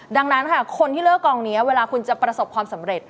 ดังนั้นค่ะคนที่เลิกกองนี้เวลาคุณจะประสบความสำเร็จ